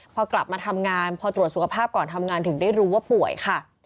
พอกลับมาทำงานพอตรวจสุขภาพก่อนทำงานถึงได้รู้ว่าป่วยค่ะ